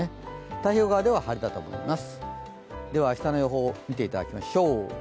太平洋側では晴れだと思います。